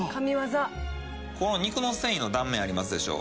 この肉の繊維の断面ありますでしょ？